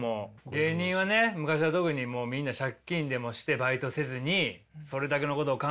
芸人はね昔は特にもうみんな借金でもしてバイトせずにそれだけのことを考えてっていう時期もあったよね